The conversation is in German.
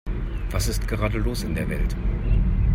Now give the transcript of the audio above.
Was ist gerade los in der Welt?